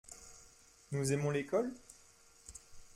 Nous aimons l’école ?